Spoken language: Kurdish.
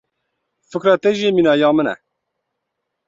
Fikra te jî mîna ya min e.